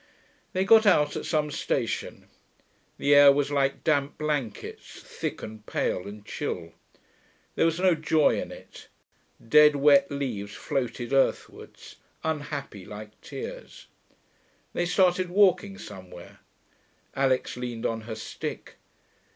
They got out at some station. The air was like damp blankets, thick and pale and chill. There was no joy in it; dead wet leaves floated earthwards, unhappy like tears. They started walking somewhere. Alix leaned on her stick.